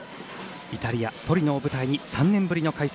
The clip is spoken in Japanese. イタリア・トリノを舞台に３年ぶりの開催。